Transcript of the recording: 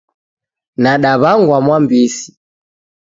Nadaw'angwa Mwambisi.